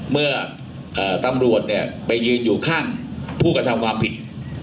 เมื่อตำรวจเนี่ยไปยืนอยู่ข้างผู้กระทำความผิด